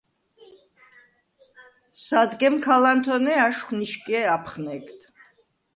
სადგემ ქა ლანთონე აშხვ ნიშგე აფხნეგდ: